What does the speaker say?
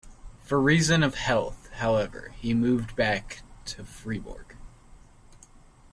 For reason of health, however he moved back to Fribourg.